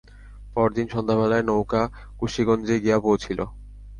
পরদিন সন্ধ্যাবেলায় নৌকা কুশীগঞ্জে গিয়া পৌঁছিল।